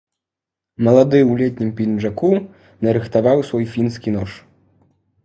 Малады ў летнім пінжаку нарыхтаваў свой фінскі нож.